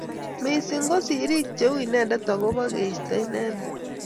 Missing ko sirik cheu inendet agobo keisto inendet